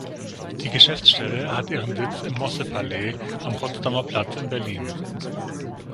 Die Geschäftsstelle hat ihren Sitz im Mosse-Palais am Potsdamer Platz in Berlin.